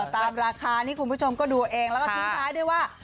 ตามราคานี้คุณผู้ชมก็ดูเองแล้วก็ทิ้งท้ายด้วยว่า